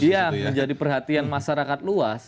menjadi perhatian masyarakat luas